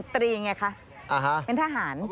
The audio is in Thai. ๑๐ตรีอย่างไรคะเป็นทหาร